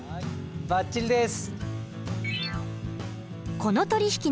ばっちりです。